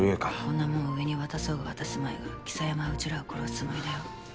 こんなもん上に渡そうが渡すまいが象山はうちらを殺すつもりだよ。